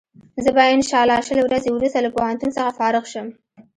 زه به انشا الله شل ورځې وروسته له پوهنتون څخه فارغ شم.